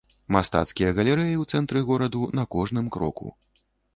Мастацкія галерэі ў цэнтры гораду на кожным кроку.